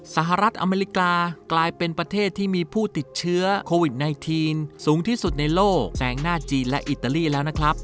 สหรัฐอเมริกากลายเป็นประเทศที่มีผู้ติดเชื้อโควิด๑๙สูงที่สุดในโลกแฝงหน้าจีนและอิตาลีแล้วนะครับ